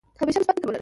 همېشه مثبت فکر ولره